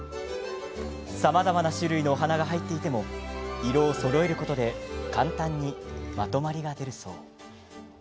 さまざまな種類のお花が入っていても色をそろえることで簡単にまとまりが出るそう。